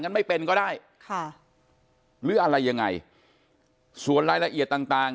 ไม่เป็นก็ได้ค่ะหรืออะไรยังไงส่วนรายละเอียดต่างต่าง